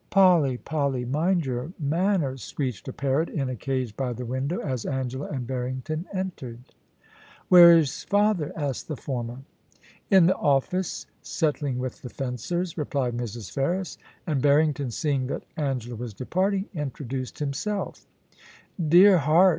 * Polly, Polly, mind your manners ? screeched a parrot in a cage by the window, as Angela and Barrington entered * Where is father ?' asked the former. * In the office settling with the fencers,' replied Mrs. Ferris ; and Barrington, seeing that Angela was departing, introduced himself * Dear heart